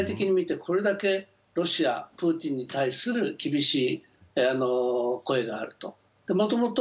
世界的に見て、これだけロシア、プーチンに対する厳しい声があると。